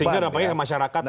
sehingga rapanya ke masyarakatnya